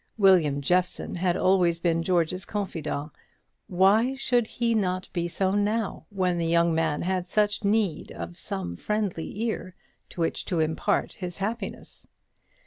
William Jeffson had always been George's confidant; why should he not be so now, when the young man had such need of some friendly ear to which to impart his happiness?